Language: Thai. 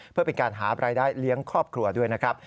เพื่อเป็นการหารายได้เลี้ยงครอบครัวด้วยนะครับ